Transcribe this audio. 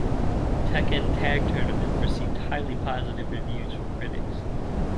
"Tekken Tag Tournament" received highly positive reviews from critics.